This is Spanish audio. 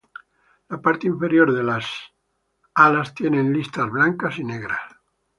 La parte inferior de las alas tienen listas blancas y negras.